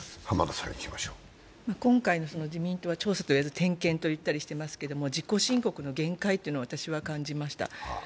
今回の自民党は調査と言わず、点検と言っていますけど、自己申告の限界というのを私は感じました。